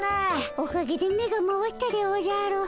おかげで目が回ったでおじゃる。